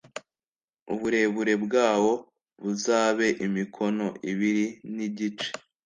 uburebure bwawo buzabe imikono ibiri n igice